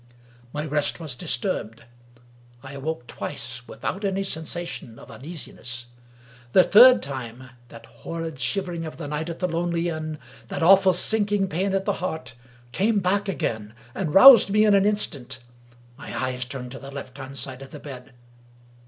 My rest was disturbed. I awoke twice, without any sensation of uneasiness. The third time, that horrid shiv ering of the night at the lonely inn, that awful sinking pain at the heart, came back again, and roused me in an instant. My eyes turned to the left hand side of the bed.